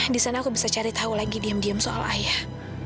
di sana aku bisa cari tahu lagi diem diem soal ayah